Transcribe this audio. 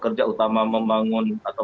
kerja utama membangun atau